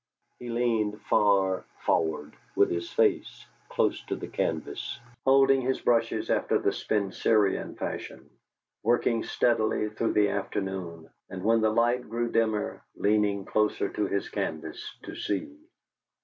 He leaned far forward, with his face close to the canvas, holding his brushes after the Spencerian fashion, working steadily through the afternoon, and, when the light grew dimmer, leaning closer to his canvas to see.